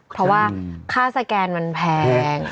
เพราะว่าค่าสแกนมันแพง